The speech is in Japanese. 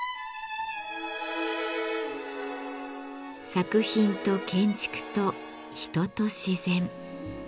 作品と建築と人と自然。